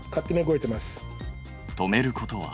止めることは。